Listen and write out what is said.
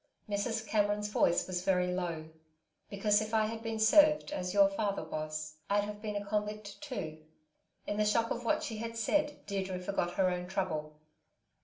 Mrs. Cameron's voice was very low. "Because if I had been served as your father was I'd have been a convict too." In the shock of what she had said, Deirdre forgot her own trouble.